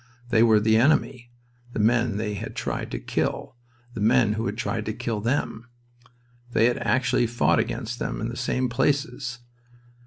They were "the enemy," the men they had tried to kill, the men who had tried to kill them. They had actually fought against them in the same places.